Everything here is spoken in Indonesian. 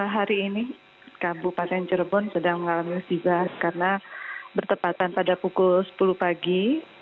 hari ini kabupaten cirebon sedang mengalami musibah karena bertepatan pada pukul sepuluh pagi